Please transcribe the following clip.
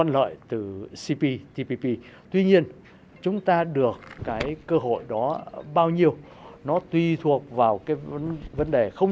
lợi từ cptpp tuy nhiên chúng ta được cái cơ hội đó bao nhiêu nó tùy thuộc vào cái vấn đề không